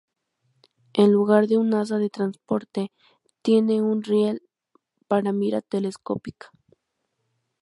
En lugar de un asa de transporte, tiene un riel para mira telescópica.